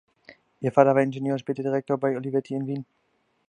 Ihr Vater war Ingenieur und später Direktor bei Olivetti in Wien.